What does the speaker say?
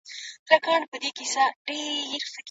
سياسي مشروعيت يوازي د ولس له لوري ورکول کېږي.